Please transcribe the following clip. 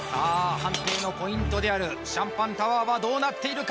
判定のポイントであるシャンパンタワーはどうなっているか？